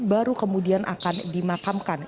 baru kemudian akan dimakamkan